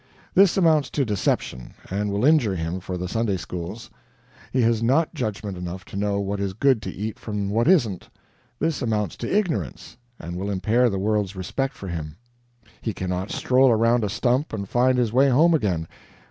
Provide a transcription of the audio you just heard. This amounts to deception, and will injure him for the Sunday schools. He has not judgment enough to know what is good to eat from what isn't. This amounts to ignorance, and will impair the world's respect for him. He cannot stroll around a stump and find his way home again.